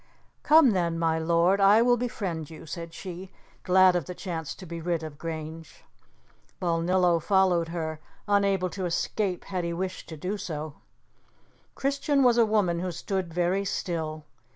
"Come, then, my lord, I will befriend you," said she, glad of the chance to be rid of Grange. Balnillo followed her, unable to escape had he wished to do so. Christian was a woman who stood very still.